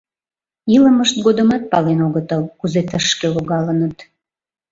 Илымышт годымат пален огытыл, кузе тышке логалыныт...